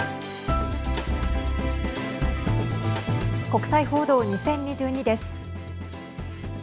国際報道２０２２です。